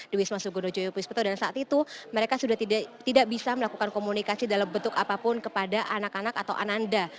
di wisma sugondo joyo puspeto dan saat itu mereka sudah tidak bisa melakukan komunikasi dalam bentuk apapun kepada anak anak atau ananda